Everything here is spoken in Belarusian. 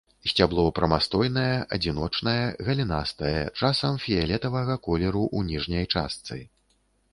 Сцябло прамастойнае, адзіночнае, галінастае, часам фіялетавага колеру ў ніжняй частцы.